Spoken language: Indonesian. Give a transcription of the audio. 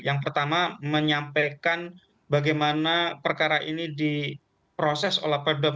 yang pertama menyampaikan bagaimana perkara ini diproses oleh perdab